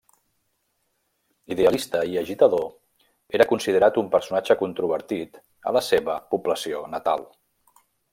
Idealista i agitador, era considerat un personatge controvertit a la seva població natal.